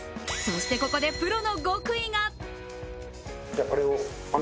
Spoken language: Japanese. そして、ここでプロの極意が。